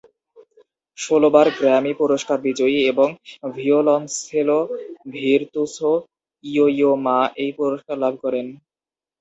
ষোলবার Grammy পুরস্কার বিজয়ী এবং ভিওলনসেলো ভির্তুসো ইয়ো-ইয়ো মা এই পুরস্কার লাভ করেন।